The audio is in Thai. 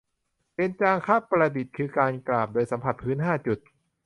เบญจางคประดิษฐ์ คือการกราบโดยสัมผัสพื้นห้าจุด